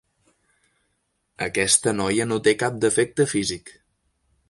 Aquesta noia no té cap defecte físic.